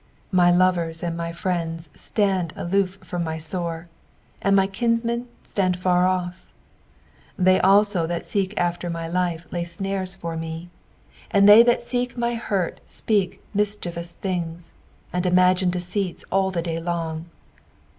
1 1 My lovers and my friends stand aloof from my sore ; and my kinsmen stand afar off. 12 They also that seek after my life lay snares /tfr me; and they ,glc PSAUI THE THIRTY EIOHTH. 333 that seek my hurt speak mischievous things, and imagine deceits all the day long.